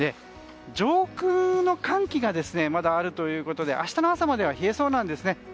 上空の寒気がまだあるということで明日の朝までは冷えそうなんですね。